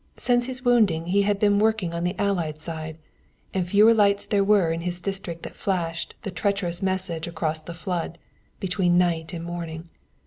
Since his wounding he had been working on the Allied side, and fewer lights there were in his district that flashed the treacherous message across the flood, between night and morning.